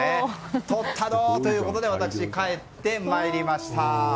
とったどー！ということで私、帰ってまいりました。